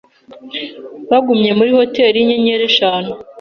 Bagumye muri hoteri yinyenyeri eshanu.